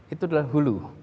itu adalah hulu